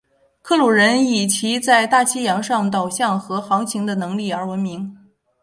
克鲁人以其在大西洋上导向和航行的能力而闻名。